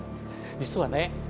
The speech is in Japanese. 実はね